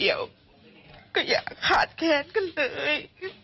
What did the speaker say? อยากหาดแค้นกันเลย